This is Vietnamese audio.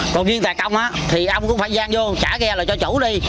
còn viên tài công thì ông cũng phải gian vô trả ghe lại cho chủ đi